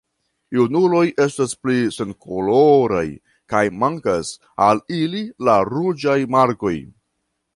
Junuloj estas pli senkoloraj kaj mankas al ili la ruĝaj markoj.